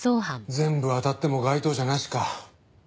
全部あたっても該当者なしか。